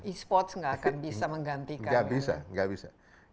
e sports nggak akan bisa menggantikan